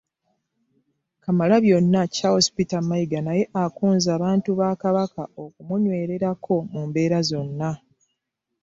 Kamalabyonna Charles Peter Mayiga naye akunze abantu ba Kabaka okumunywererako mu mbeera zonna